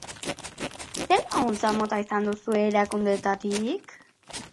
Zer laguntza mota izan duzue erakundeetatik?